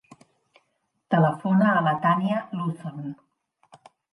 Telefona a la Tània Luzon.